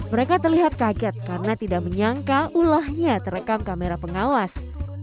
melihat kaget karena tidak menyangka ulahnya terekam kamera pengawas